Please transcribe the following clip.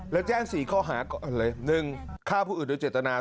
แล้วแจ้ง๔ข้อหาก่อนเลย๑ฆ่าผู้อื่นโดยเจตนา